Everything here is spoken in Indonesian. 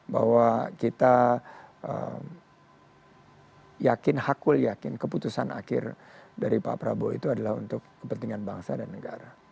bahwa kita yakin hakul yakin keputusan akhir dari pak prabowo itu adalah untuk kepentingan bangsa dan negara